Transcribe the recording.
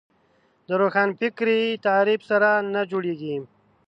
د روښانفکري تعریف سره نه جوړېږي